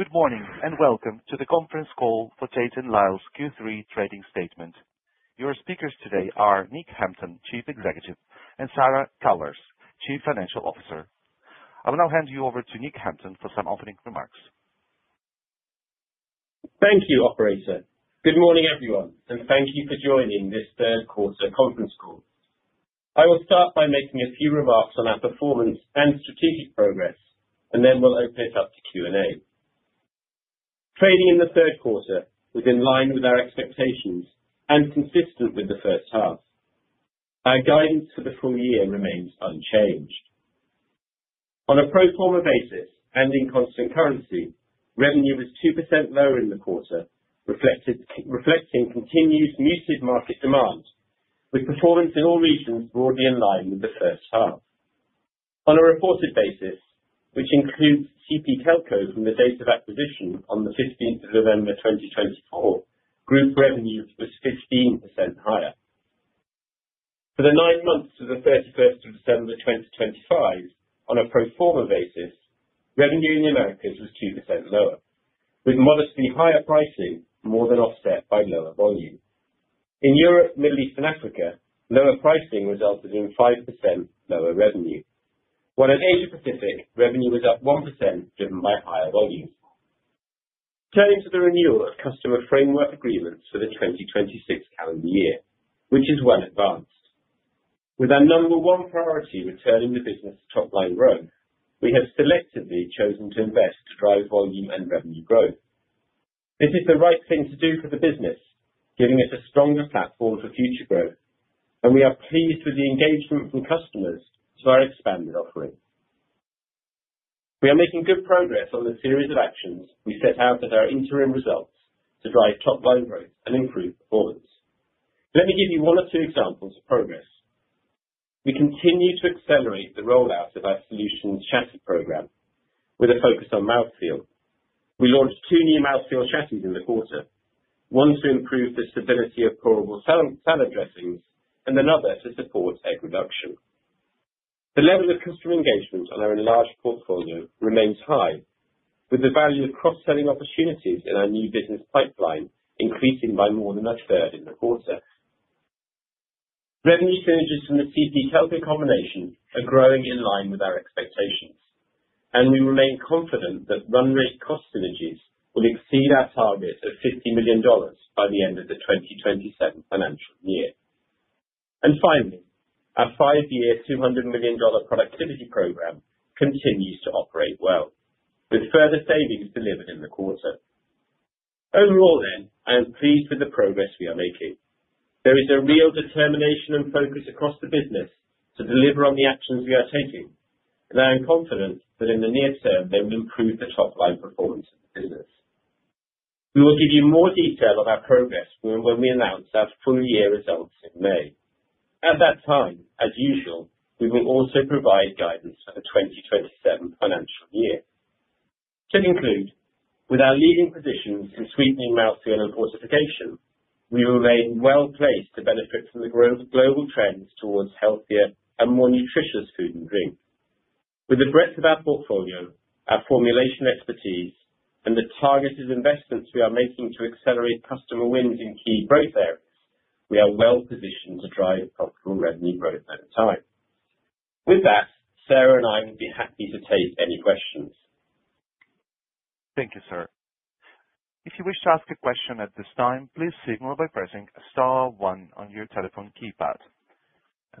Good morning, welcome to the conference call for Tate & Lyle's Q3 trading statement. Your speakers today are Nick Hampton, Chief Executive, and Sarah Kuijlaars, Chief Financial Officer. I will now hand you over to Nick Hampton for some opening remarks. Thank you, operator. Good morning, everyone, and thank you for joining this third 1/4 conference call. I will start by making a few remarks on our performance and strategic progress, and then we'll open it up to Q&A. Trading in the third 1/4 was in line with our expectations and consistent with the first 1/2. Our guidance for the full year remains unchanged. On a pro forma basis and in constant currency, revenue was 2% lower in the 1/4, reflecting continued muted market demand, with performance in all regions broadly in line with the first 1/2. On a reported basis, which includes CP Kelco from the date of acquisition on the 15th of November 2023, group revenue was 15% higher. For the 9 months to the 31st of December 2023, on a pro forma basis, revenue in the Americas was 2% lower, with modestly higher pricing more than offset by lower volume. In Europe, Middle East and Africa, lower pricing resulted in 5% lower revenue, while in Asia Pacific revenue was up 1% driven by higher volumes. Turning to the renewal of customer framework agreements for the 2024 calendar year, which is well advanced. With our number 1 priority returning the business top line growth, we have selectively chosen to invest to drive volume and revenue growth. This is the right thing to do for the business, giving us a stronger platform for future growth. We are pleased with the engagement from customers to our expanded offering. We are making good progress on the series of actions we set out with our interim results to drive top line growth and improve performance. Let me give you 1 or 2 examples of progress. We continue to accelerate the rollout of our solutions chassis program with a focus on mouthfeel. We launched 2 new mouthfeel chassis in the 1/4, 1 to improve the stability of pourable salad dressings and another to support egg reduction. The level of customer engagement on our enlarged portfolio remains high, with the value of cross-selling opportunities in our new business pipeline increasing by more than a third in the 1/4. Revenue synergies from the CP Kelco combination are growing in line with our expectations. We remain confident that run rate cost synergies will exceed our target of $50 million by the end of the 2026 financial year. Finally, our 5-year, $200 million productivity program continues to operate well, with further savings delivered in the 1/4. Overall, I am pleased with the progress we are making. There is a real determination and focus across the business to deliver on the actions we are taking, and I am confident that in the near term they will improve the top line performance of the business. We will give you more detail of our progress when we announce our full year results in May. At that time, as usual, we will also provide guidance for the 2027 financial year. To conclude, with our leading positions in sweetening mouthfeel and fortification, we remain well placed to benefit from the global trends towards healthier and more nutritious food and drink. With the breadth of our portfolio, our formulation expertise and the targeted investments we are making to accelerate customer wins in key growth areas, we are well positioned to drive profitable revenue growth over time. With that, Sarah and I would be happy to take any questions. Thank you, sir. If you wish to ask a question at this time, please signal by pressing star 1 on your telephone keypad.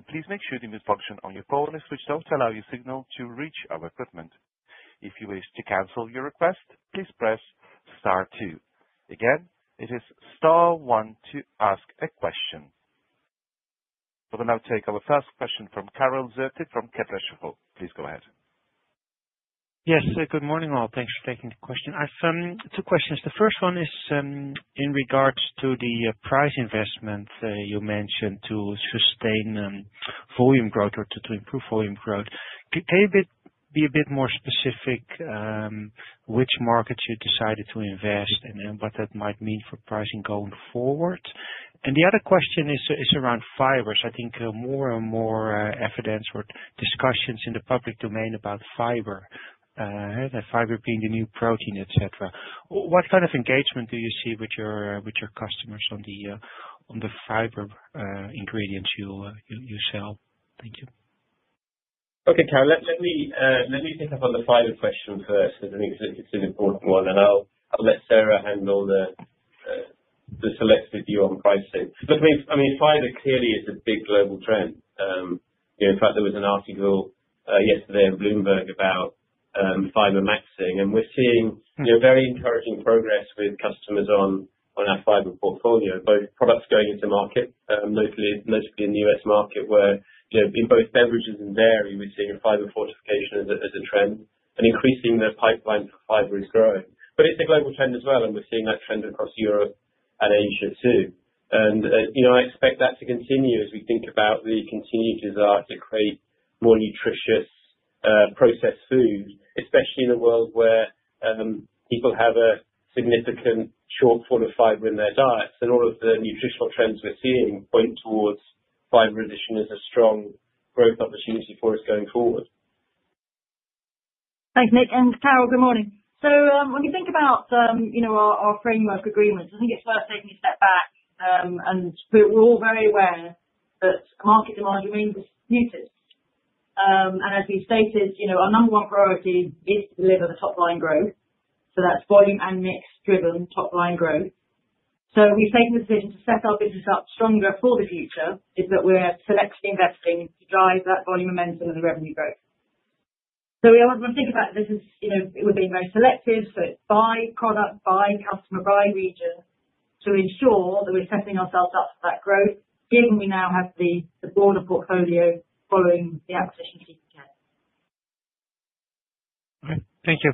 Please make sure the mute function on your phone is switched off to allow your signal to reach our equipment. If you wish to cancel your request, please press star 2. Again, it is star 1 to ask a question. We will now take our first question from Karel Zoete from Kepler Cheuvreux. Please go ahead. Yes. Good morning, all. Thanks for taking the question. I've 2 questions. The first 1 is in regards to the price investment you mentioned to sustain volume growth or to improve volume growth. Can you be a bit more specific which markets you decided to invest and then what that might mean for pricing going forward? The other question is around fibers. I think more and more evidence or discussions in the public domain about fiber being the new protein, et cetera. What kind of engagement do you see with your customers on the fiber ingredients you sell? Thank you. Okay, Karel. Let me pick up on the fiber question first. I think it's an important 1, and I'll let Sarah handle the selective view on pricing. Look, I mean, fiber clearly is a big global trend. You know, in fact, there was an article yesterday in Bloomberg about fibermaxxing, and we're seeing, you know, very encouraging progress with customers on our fiber portfolio, both products going into market, locally, mostly in the U.S. market, where, you know, in both beverages and dairy, we're seeing fiber fortification as a trend and increasing their pipeline for fiber is growing. It's a global trend as well, and we're seeing that trend across Europe and Asia too. you know, I expect that to continue as we think about the continued desire to create more nutritious processed foods, especially in a world where people have a significant shortfall of fiber in their diets. All of the nutritional trends we're seeing point towards Fiber addition is a strong growth opportunity for us going forward. Thanks, Nick. Karel, good morning. When you think about, you know, our framework agreements, I think it's worth taking a step back. We're all very aware that market demand remains muted. As we've stated, you know, our number 1 priority is to deliver the top line growth, so that's volume and mix driven top line growth. We've taken the decision to set our business up stronger for the future, is that we're selectively investing to drive that volume momentum and the revenue growth. We always want to think about this as, you know, it would be very selective, so it's by product, by customer, by region to ensure that we're setting ourselves up for that growth given we now have the broader portfolio following the acquisition of CP Kelco. Okay, thank you.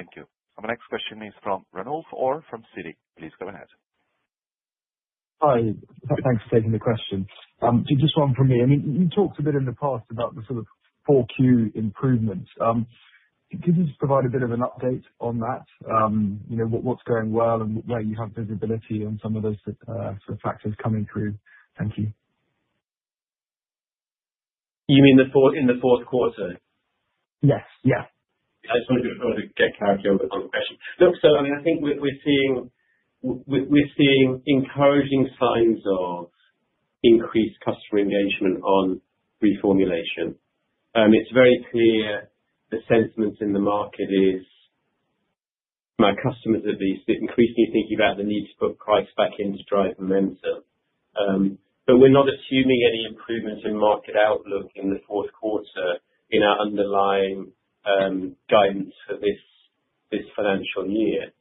Thank you. Our next question is from Ranulf Orr from Citi. Please go ahead. Hi. Thanks for taking the question. Just 1 from me. I mean, you talked a bit in the past about the sort of 4Q improvements. Could you just provide a bit of an update on that? You know, what's going well and where you have visibility on some of those sort of factors coming through? Thank you. You mean in the 4th 1/4? Yes. Yeah. I just wanted to get clarity on the question. Look, so, I mean, I think we're seeing encouraging signs of increased customer engagement on reformulation. It's very clear the sentiments in the market is my customers at least are increasingly thinking about the need to put price back in to drive momentum. But we're not assuming any improvements in market outlook in the 4th 1/4 in our underlying guidance for this financial year.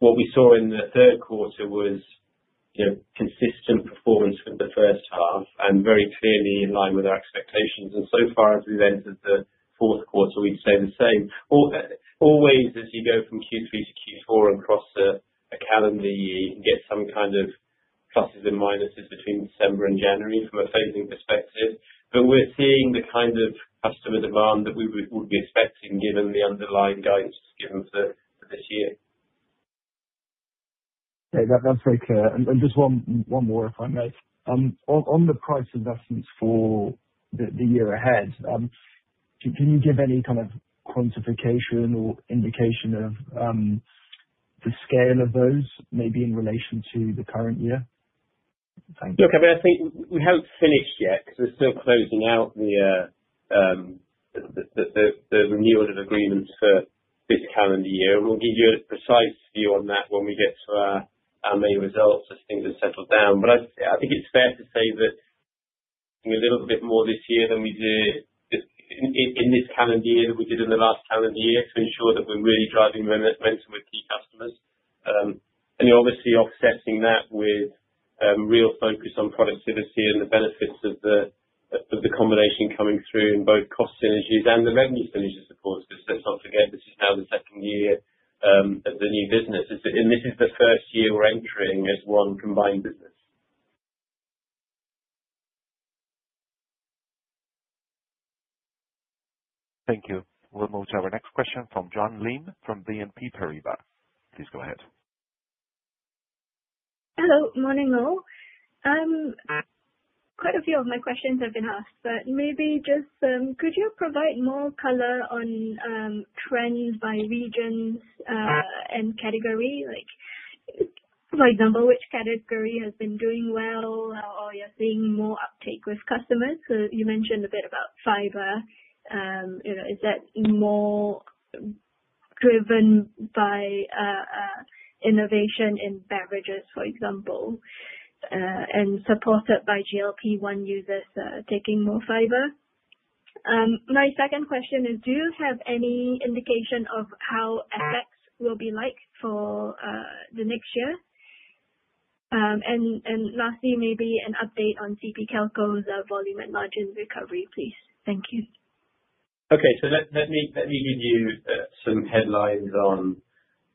What we saw in the third 1/4 was, you know, consistent performance from the first 1/2 and very clearly in line with our expectations. So far as we've entered the 4th 1/4, we'd say the same. Always, as you go from Q3 to Q4 across a calendar year, you get some kind of pluses and minuses between December and January from a phasing perspective. We're seeing the kind of customer demand that we would be expecting given the underlying guidance given for this year. Okay. That's very clear. Just 1 more, if I may. On the price investments for the year ahead, can you give any kind of quantification or indication of the scale of those, maybe in relation to the current year? Thank you. Look, I mean, I think we haven't finished yet because we're still closing out the renewal of the agreements for this calendar year. We'll give you a precise view on that when we get to our main results as things have settled down. I think it's fair to say that doing a little bit more this year than we did in this calendar year than we did in the last calendar year to ensure that we're really driving momentum with key customers. You're obviously offsetting that with real focus on productivity and the benefits of the combination coming through in both cost synergies and the revenue synergies, of course. Let's not forget, this is now the second year of the new business. This is the first year we're entering as 1 combined business. Thank you. We'll move to our next question from Joan Lim from BNP Paribas. Please go ahead. Hello. Morning, all. Quite a few of my questions have been asked, but maybe just, could you provide more color on trends by regions and category? Like for example, which category has been doing well or you're seeing more uptake with customers? You mentioned a bit about fiber. You know, is that more driven by innovation in beverages, for example, and supported by GLP-1 users taking more fiber? My second question is, do you have any indication of how ForEx will be like for the next year? Lastly, maybe an update on CP Kelco's volume and margin recovery, please. Thank you. Okay. Let me give you some headlines on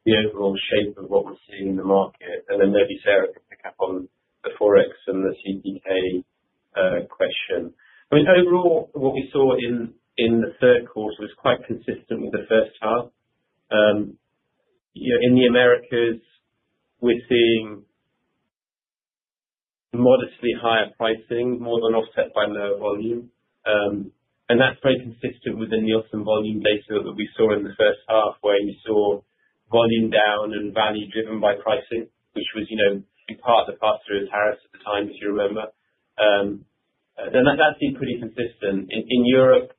the overall shape of what we're seeing in the market, and then maybe Sarah can pick up on the ForEx and the CPK question. I mean, overall what we saw in the third 1/4 was quite consistent with the first 1/2. You know, in the Americas we're seeing modestly higher pricing more than offset by lower volume. That's very consistent with the volume data that we saw in the first 1/2, where you saw volume down and value driven by pricing, which was, you know, in part to pass through the tariffs at the time, as you remember. That's been pretty consistent. In Europe,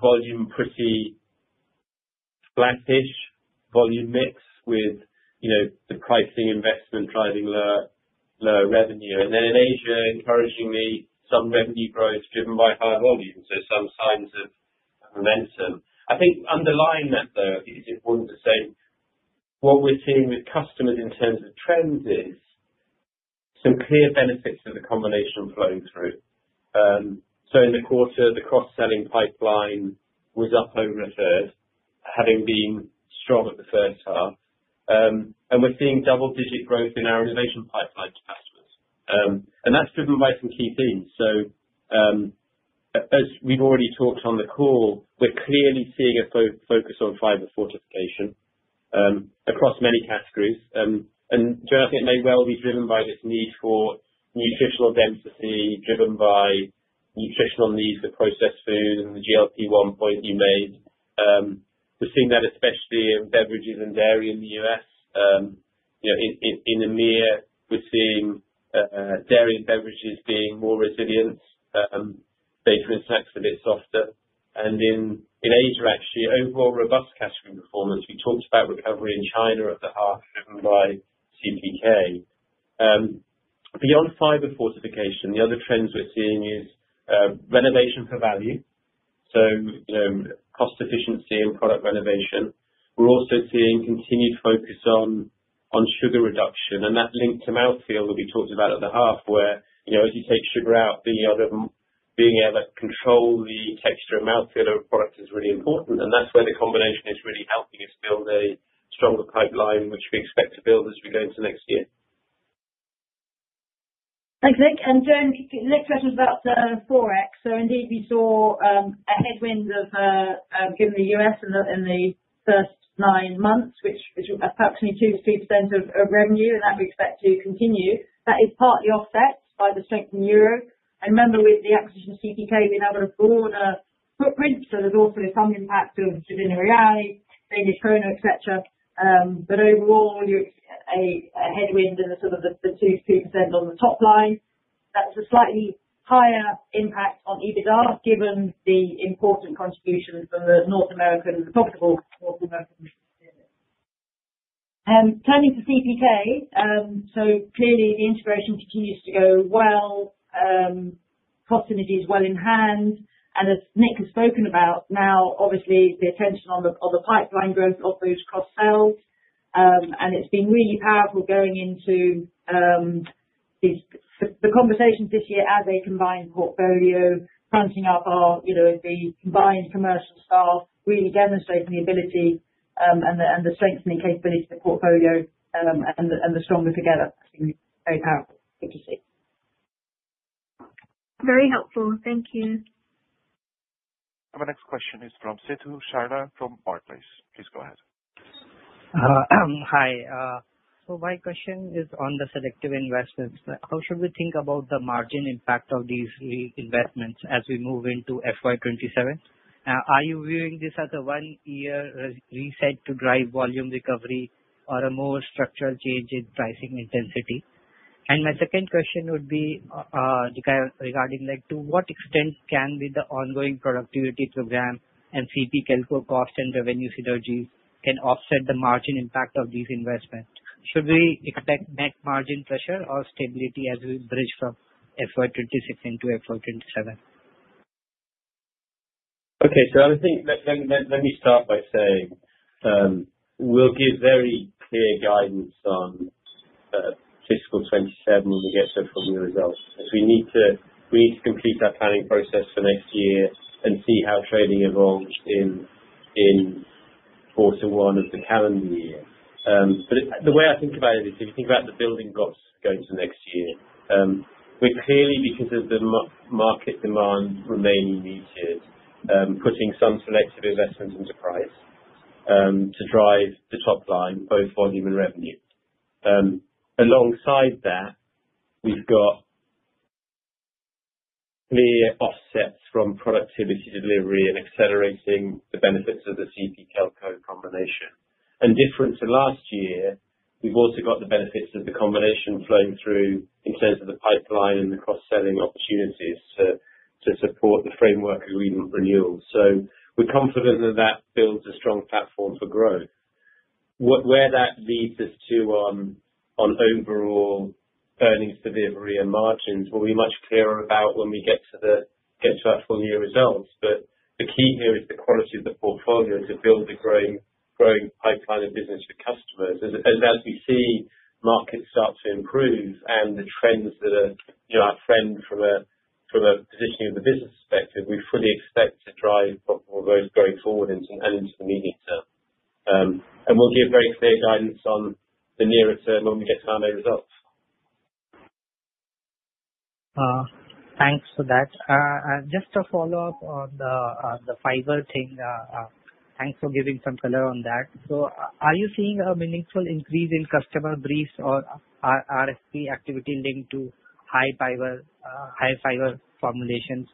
volume pretty flattish. Volume mix with, you know, the pricing investment driving lower revenue. In Asia, encouragingly some revenue growth driven by higher volume. Some signs of momentum. I think underlying that though, it is important to say what we're seeing with customers in terms of trends is some clear benefits of the combination flowing through. In the 1/4, the cross-selling pipeline was up over a third, having been strong at the first 1/2. We're seeing double-digit growth in our innovation pipeline to customers. That's driven by some key themes. As we've already talked on the call, we're clearly seeing a focus on fiber fortification across many categories. Dawn, I think it may well be driven by this need for nutritional density, driven by nutritional needs for processed food and the GLP-1 point you made. We're seeing that especially in beverages and dairy in the U.S. you know, in EMEA, we're seeing dairy and beverages being more resilient, bakery and snacks a bit softer. In Asia actually, overall robust category performance. We talked about recovery in China at the 1/2 driven by CPK. beyond fiber fortification, the other trends we're seeing is renovation for value, so, you know, cost efficiency and product renovation. We're also seeing continued focus on sugar reduction and that link to mouthfeel that we talked about at the 1/2 where, you know, as you take sugar out, being able to control the texture and mouthfeel of a product is really important. That's where the combination is really helping us build a stronger pipeline, which we expect to build as we go into next year. Thanks, Nick. and then, next question is about ForEx. Indeed we saw a headwind given the U.S. in the first nine months, which is approximately 2%-3% of revenue, and that we expect to continue. That is partly offset by the strength in Europe. Remember with the acquisition of CPK, we now have a broader footprint, so there's also some impact of, et cetera. Overall, you're a headwind in the sort of the 2%-3% on the top line. That's a slightly higher impact on EBITDA given the important contribution from the profitable North American business. Turning to CPK. Clearly the integration continues to go well. Cost synergies well in hand. As Nick has spoken about now obviously the attention on the pipeline growth of those cross sales. It's been really powerful going into the conversation this year as a combined portfolio, fronting up our, you know, the combined commercial staff really demonstrating the ability and the strengthening capabilities of the portfolio, and the stronger together has been very powerful, good to see. Very helpful. Thank you. Our next question is from Seta Sharma from Barclays. Please go ahead. Hi. My question is on the selective investments. How should we think about the margin impact of these re-investments as we move into FY25? Are you viewing this as a one-year re-reset to drive volume recovery or a more structural change in pricing intensity? My second question would be regarding like, to what extent can the ongoing productivity program and CP Kelco cost and revenue synergies can offset the margin impact of these investments? Should we expect net margin pressure or stability as we bridge from FY24 into FY25? Okay. I would think... Let me start by saying, we'll give very clear guidance on fiscal 2027 when we get to our full year results. We need to complete our planning process for next year and see how trading evolves in 1/4 1 of the calendar year. The way I think about it is if you think about the building blocks going to next year, we're clearly because of the market demand remaining muted, putting some selective investments into price, to drive the top line, both volume and revenue. Alongside that, we've got clear offsets from productivity delivery and accelerating the benefits of the CP Kelco combination. Different to last year, we've also got the benefits of the combination flowing through in terms of the pipeline and the cross-selling opportunities to support the framework of renewed renewal. We're confident that that builds a strong platform for growth. Where that leads us to on overall earnings severity and margins, we'll be much clearer about when we get to our full year results. The key here is the quality of the portfolio to build the growing pipeline of business with customers. As we see markets start to improve and the trends that are, you know, our friend from a positioning of the business perspective, we fully expect to drive profitable growth going forward into the medium term. We'll give very clear guidance on the nearer term when we get to our annual results. Thanks for that. Just a follow-up on the fiber thing. Thanks for giving some color on that. Are you seeing a meaningful increase in customer briefs or RSP activity linked to high fiber, high fiber formulations?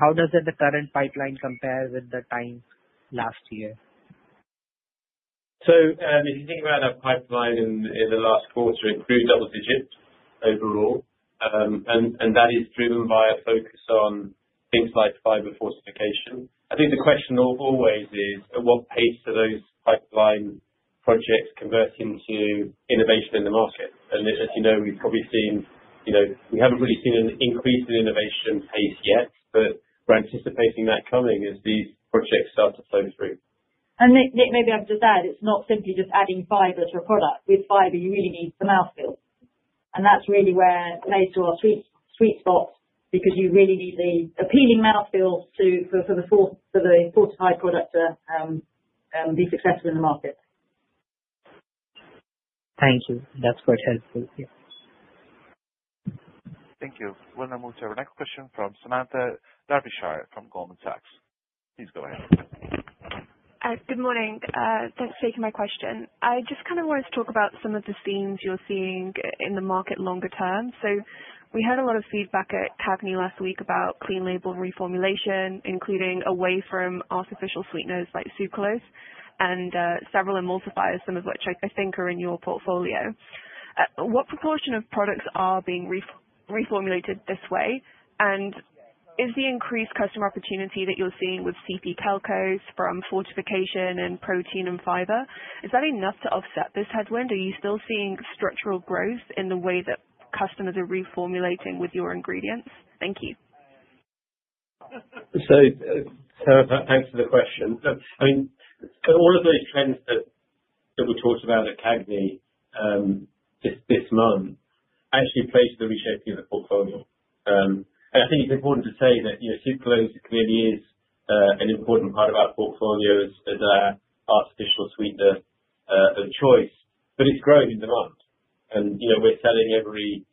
How does the current pipeline compare with the time last year? If you think about our pipeline in the last 1/4, it grew double digits overall. That is driven by a focus on things like fiber fortification. I think the question though always is at what pace do those pipeline projects convert into innovation in the market? As you know, we've probably seen, you know, we haven't really seen an increase in innovation pace yet, but we're anticipating that coming as these projects start to flow through. Nick, maybe I would just add, it's not simply just adding fiber to a product. With fiber, you really need the mouthfeel, and that's really where it plays to our sweet spot because you really need the appealing mouthfeel to for the fortified product to be successful in the market. Thank you. That's quite helpful. Yeah. Thank you. We'll now move to our next question from Samantha Darbyshire from Goldman Sachs. Please go ahead. Good morning. Thanks for taking my question. I just kind of want to talk about some of the themes you're seeing in the market longer term. We had a lot of feedback at CAGNY last week about clean label reformulation, including away from artificial sweeteners like sucralose and several emulsifiers, some of which I think are in your portfolio. What proportion of products are being reformulated this way? Is the increased customer opportunity that you're seeing with CP Kelco's from fortification and protein and fiber, is that enough to offset this headwind? Are you still seeing structural growth in the way that customers are reformulating with your ingredients? Thank you. Sara, thanks for the question. I mean, all of those trends that we talked about at CAGNY this month actually plays to the reshaping of the portfolio. I think it's important to say that, you know, sucralose clearly is an important part of our portfolio as our artificial sweetener of choice. It's growing in demand. You know, we're selling every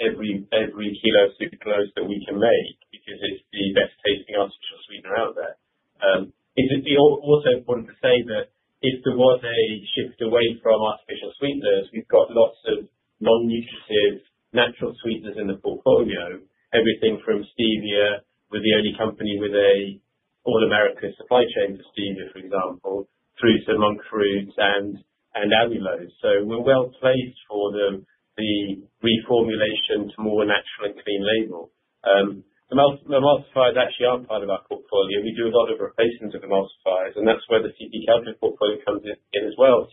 kilo of sucralose that we can make because it's the best tasting artificial sweetener out there. It would be also important to say that if there was a shift away from artificial sweeteners, we've got lots of non-nutritive natural sweeteners in the portfolio. Everything from stevia. We're the only company with a all-America supply chain for stevia, for example, through to monk fruits and allulose. We're well placed for the reformulation to more natural and clean label. Emulsifiers actually are part of our portfolio. We do a lot of replacements of emulsifiers, and that's where the CP Kelco portfolio comes in as well.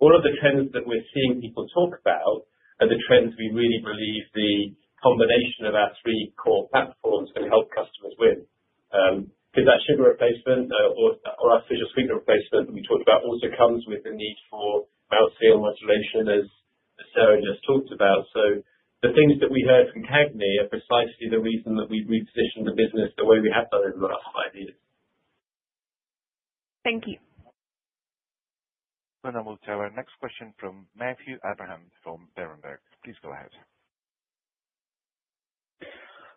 All of the trends that we're seeing people talk about are the trends we really believe the combination of our three core platforms can help customers with. Because that sugar replacement or artificial sweetener replacement we talked about also comes with the need for mouthfeel modulation, as Sara just talked about. The things that we heard from CAGNY are precisely the reason that we repositioned the business the way we have done over the last 5 years. Thank you. I'll move to our next question from Matthew Abraham from Berenberg. Please go ahead.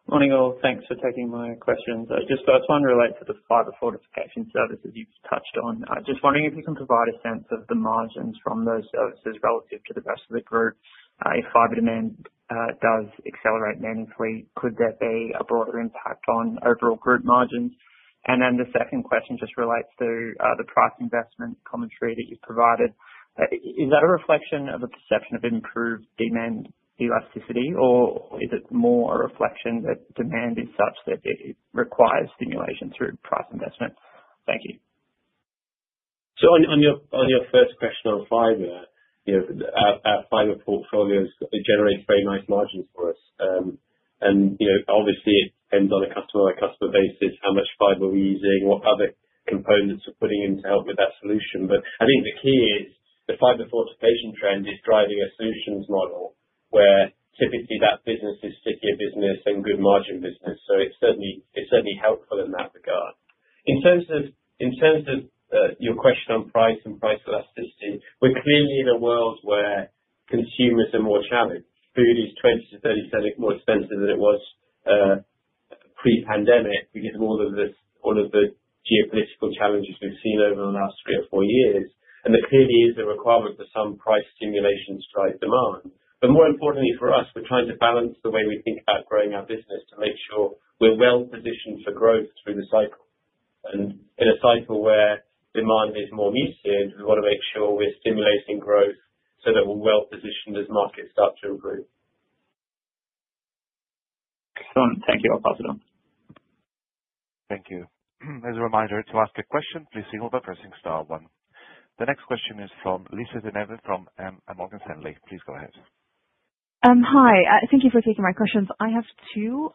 Morning, all. Thanks for taking my questions. I just want to relate to the fiber fortification services you touched on. I was just wondering if you can provide a sense of the margins from those services relative to the rest of the group. If fiber demand does accelerate meaningfully, could there be a broader impact on overall group margins? The second question just relates to the price investment commentary that you provided. Is that a reflection of a perception of improved demand elasticity, or is it more a reflection that demand is such that it requires stimulation through price investment? Thank you. On your first question on fiber, you know, our fiber portfolio generates very nice margins for us. You know, obviously it depends on a customer by customer basis, how much fiber we're using, what other components we're putting in to help with that solution. I think the key is the fiber fortification trend is driving a solutions model where typically that business is stickier business and good margin business. It's certainly helpful in that regard. In terms of your question on price and price elasticity, we're clearly in a world where consumers are more challenged. Food is 20%-30% more expensive than it was pre-pandemic because of all of this, all of the geopolitical challenges we've seen over the last three or 4 years. There clearly is a requirement for some price stimulation to drive demand. More importantly for us, we're trying to balance the way we think about growing our business to make sure we're well positioned for growth through the cycle. In a cycle where demand is more muted, we want to make sure we're stimulating growth so that we're well positioned as markets start to improve. Excellent. Thank you. I'll pass it on. Thank you. As a reminder to ask a question, please signal by pressing star 1. The next question is from Lisa De Neve from Morgan Stanley. Please go ahead. Hi. Thank you for taking my questions. I have 2.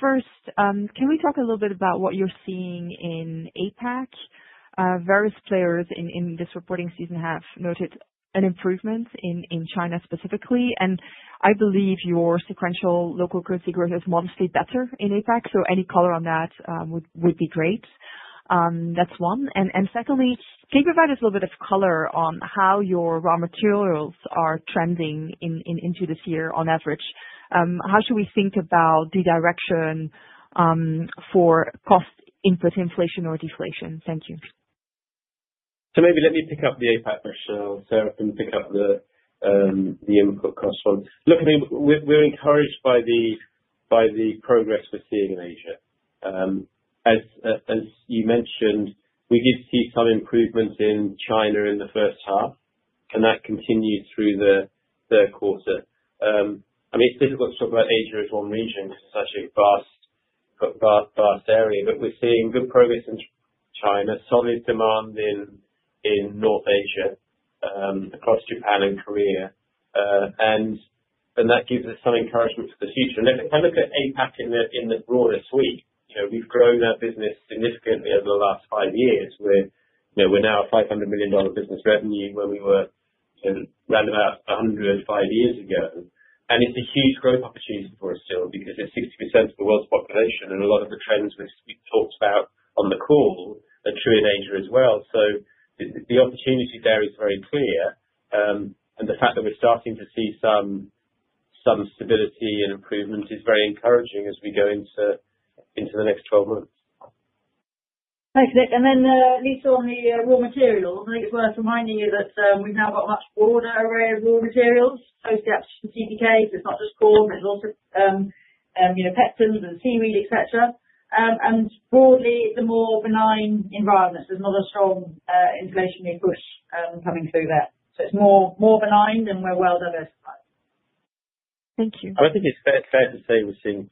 First, can we talk a little bit about what you're seeing in APAC? Various players in this reporting season have noted an improvement in China specifically, and I believe your sequential local currency growth is modestly better in APAC. Any color on that would be great. That's 1. Secondly, can you provide us a little bit of color on how your raw materials are trending into this year on average? How should we think about the direction for cost input inflation or deflation? Thank you. Maybe let me pick up the APAC question, and Sara can pick up the input cost 1. I mean, we're encouraged by the progress we're seeing in Asia. As you mentioned, we did see some improvements in China in the first 1/2 and that continued through the third 1/4. I mean, it's difficult to talk about Asia as 1 region. It's such a vast, vast area. We're seeing good progress in China, solid demand in North Asia, across Japan and Korea. That gives us some encouragement for the future. If you look at APAC in the broadest sweep, you know, we've grown our business significantly over the last 5 years. We're, you know, we're now a $500 million business revenue where we were sort of roundabout 105 years ago. It's a huge growth opportunity for us still because there's 60% of the world's population and a lot of the trends we've talked about on the call are true in Asia as well. The opportunity there is very clear. The fact that we're starting to see some stability and improvement is very encouraging as we go into the next 12 months. Thanks, Nick. Lisa, on the raw material, I think it's worth reminding you that we've now got a much broader array of raw materials, post the acquisition of CPK. It's not just corn, but it's also, you know, pectins and seaweed, et cetera. Broadly, the more benign environment, there's not a strong inflationary push coming through there. It's more benign, and we're well-diversified. Thank you. I think it's fair to say we're seeing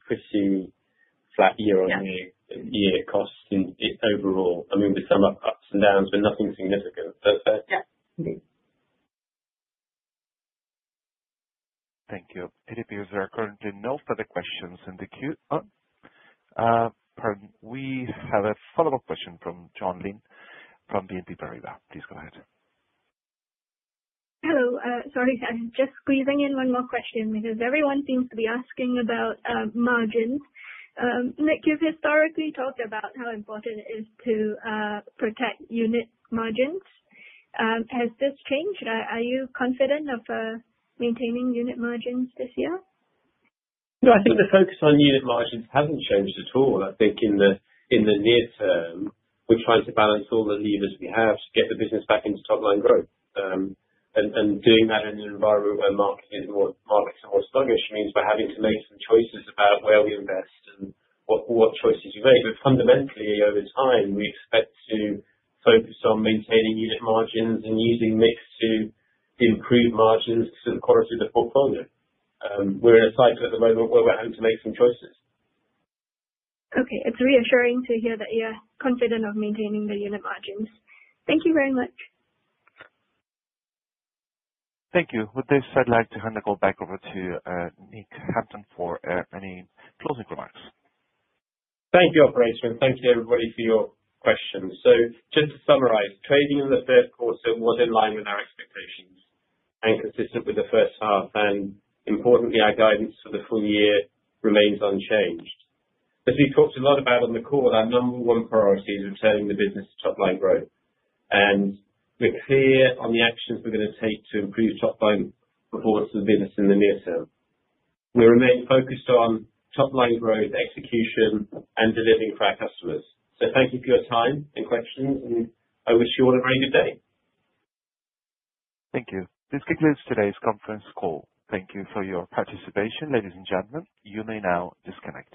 pretty flat year-on-year. Yeah. -year costs in overall. I mean, there's some ups and downs, but nothing significant. Yeah. Mm-hmm. Thank you. It appears there are currently no further questions. Pardon. We have a follow-up question from Joan Lim from BNP Paribas. Please go ahead. Hello. Sorry, I'm just squeezing in 1 more question because everyone seems to be asking about margins. Nick, you've historically talked about how important it is to protect unit margins. Has this changed? Are you confident of maintaining unit margins this year? I think the focus on unit margins hasn't changed at all. I think in the near term, we're trying to balance all the levers we have to get the business back into top line growth. Doing that in an environment where markets are more sluggish means we're having to make some choices about where we invest and what choices we make. Fundamentally, over time, we expect to focus on maintaining unit margins and using mix to improve margins to sort of quality the portfolio. We're in a cycle at the moment where we're having to make some choices. Okay. It's reassuring to hear that you're confident of maintaining the unit margins. Thank you very much. Thank you. With this, I'd like to hand the call back over to Nick Hampton for any closing remarks. Thank you, operator, and thank you, everybody, for your questions. Just to summarize, trading in the third 1/4 was in line with our expectations and consistent with the first 1/2. Importantly, our guidance for the full year remains unchanged. As we've talked a lot about on the call, our number 1 priority is returning the business to top line growth. We're clear on the actions we're gonna take to improve top line performance of the business in the near term. We remain focused on top line growth, execution, and delivering for our customers. Thank you for your time and questions, and I wish you all a very good day. Thank you. This concludes today's conference call. Thank you for your participation, ladies and gentlemen. You may now disconnect.